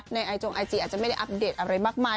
ในไอจงไอจีอาจจะไม่ได้อัปเดตอะไรมากมาย